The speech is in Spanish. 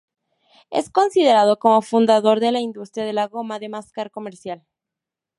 Es considerado como fundador de la industria de la goma de mascar comercial.